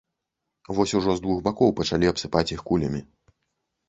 Вось ужо з двух бакоў пачалі абсыпаць іх кулямі.